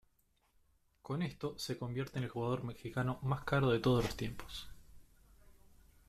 Con esto, se convierte en el jugador mexicano más caro de todos los tiempos.